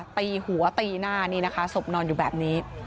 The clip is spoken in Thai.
ตีหัวตีหน้านี่นะคะศพนอนอยู่แบบนี้